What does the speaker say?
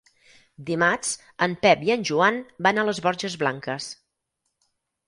Dimarts en Pep i en Joan van a les Borges Blanques.